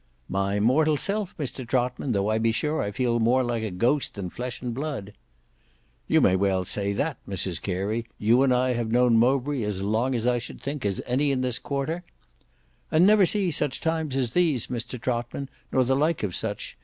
"My mortal self, Mr Trotman, tho' I be sure I feel more like a ghost than flesh and blood." "You may well say that Mrs Carey; you and I have known Mowbray as long I should think as any in this quarter—" "And never see such times as these Mr Trotman, nor the like of such.